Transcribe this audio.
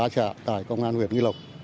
một mươi ba xã tại công an huyện nghị lộc